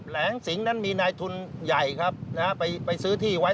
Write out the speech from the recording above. แหลงสิงนั้นมีนายทุนใหญ่ครับไปซื้อที่ไว้